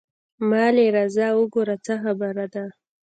مالې راځه وګوره څه خبره ده.